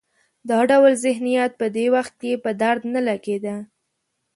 دا ډول ذهنیت په دې وخت کې په درد نه لګېده.